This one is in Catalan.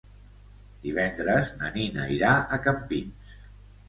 Divendres na Nina irà a Campins.